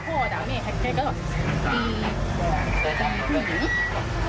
สองคน